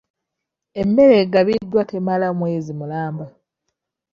Emmere egabiddwa temala mwezi mulamba.